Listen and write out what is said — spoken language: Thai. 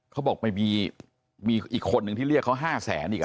เขาบอกไปมีอีกคนนึงที่เรียกเขา๕แสนอีก